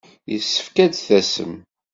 Yessefk ad d-tasem.